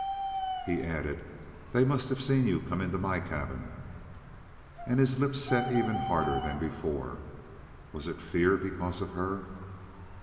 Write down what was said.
He added: "They must have seen you come into my cabin!" And his lips set even harder than before. Was it fear because of her?